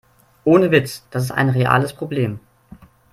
Ohne Witz, das ist ein reales Problem.